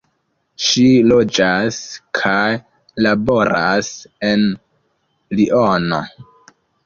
Ŝi loĝas kaj laboras en Liono.